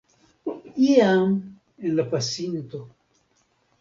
Iam en la pasinto.